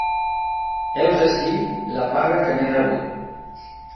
Heus ací la paga que n'he rebut.